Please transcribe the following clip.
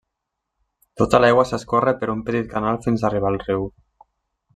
Tota l'aigua s'escorre per un petit canal fins a arribar al riu.